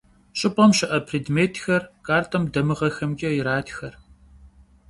Ş'ıp'em şı'e prêdmêtxer kartem damığexemç'e yiratxe.